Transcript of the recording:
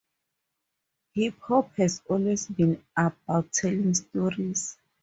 Hip hop has always been about telling stories.